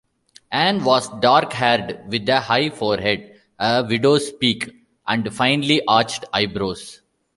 Anne was dark-haired with a high forehead, a widow's peak, and finely-arched eyebrows.